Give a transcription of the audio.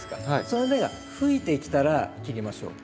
その芽が吹いてきたら切りましょう。